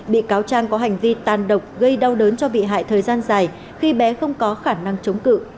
bị cáo trang có hành vi tàn độc gây đau đớn cho bị hại thời gian dài khi bé không có khả năng chống cự